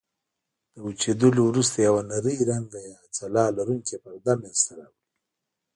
له وچېدلو وروسته یوه نرۍ رنګه یا ځلا لرونکې پرده منځته راوړي.